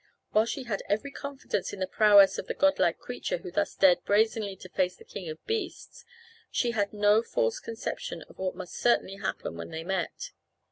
While she had every confidence in the prowess of the godlike creature who thus dared brazenly to face the king of beasts, she had no false conception of what must certainly happen when they met.